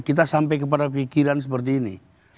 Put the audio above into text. kita sampai kepada pikiran seperti ini